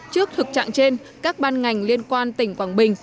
trước thực trạng trên các ban ngành liên quan tỉnh quảng bình